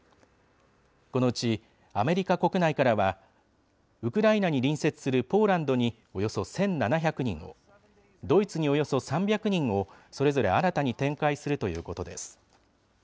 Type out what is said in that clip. このうちアメリカ国内からは、ウクライナに隣接するポーランドにおよそ１７００人を、ドイツにおよそ３００人を、それぞれ新たに展開するということです。